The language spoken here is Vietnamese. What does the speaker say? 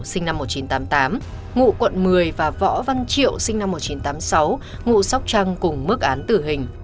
sinh năm một nghìn chín trăm tám mươi tám ngụ quận một mươi và võ văn triệu sinh năm một nghìn chín trăm tám mươi sáu ngụ sóc trăng cùng mức án tử hình